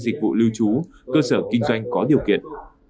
dịch vụ lưu trú cơ sở kinh doanh có điều kiện